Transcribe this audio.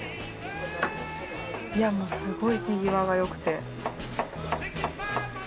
いやもうすごい手際がよくて。